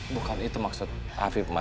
bukan itu maksud afif ma